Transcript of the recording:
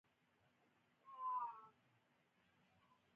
له دې علومو پرته سمه ونه پېژنو.